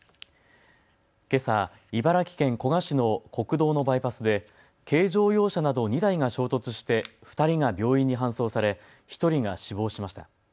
けさ茨城県古河市の国道のバイパスで軽乗用車など２台が衝突して２人が病院に搬送され１人が死亡しました。